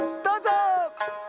どうぞ。